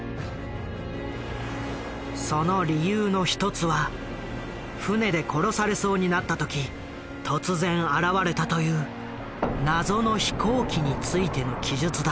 その理由の一つは船で殺されそうになった時突然現れたという謎の「飛行機」についての記述だ。